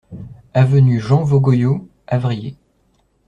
Avenue Jean Vaugoyau, Avrillé